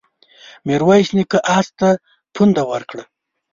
ميرويس نيکه آس ته پونده ورکړه.